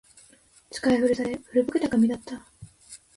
使い古され、古ぼけた紙だった